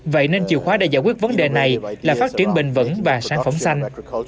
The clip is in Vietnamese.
vậy nên chìa khóa để giải quyết vấn đề này là phát triển bình vẩn và sản phẩm xanh